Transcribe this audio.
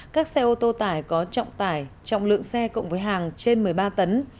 các xe ô tô tải có trọng tải trọng lượng xe cộng với hàng trên một mươi ba tấn